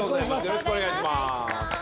よろしくお願いします。